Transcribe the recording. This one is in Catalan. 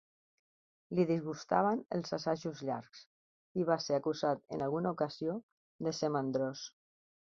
Li disgustaven els assajos llargs i va ser acusat en alguna ocasió de ser mandrós.